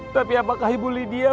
tapi apakah ibu lydia